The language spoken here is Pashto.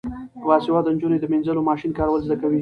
باسواده نجونې د مینځلو ماشین کارول زده کوي.